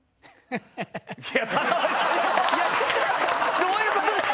どういうことですか？